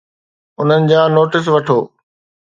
انهن جا نوٽس وٺو